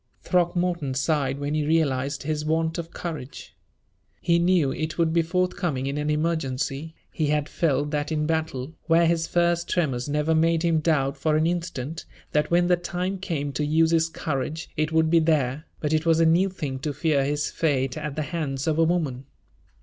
Throckmorton sighed when he realized his want of courage. He knew it would be forthcoming in an emergency; he had felt that in battle, where his first tremors never made him doubt for an instant that when the time came to use his courage it would be there; but it was a new thing to fear his fate at the hands of a woman.